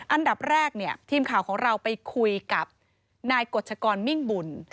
อันดับแรกเนี่ยทีมข่าวของเราไปคุยกับนายกฎชกรมิ่งบุญ